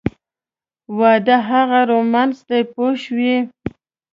واده هغه رومانس دی پوه شوې!.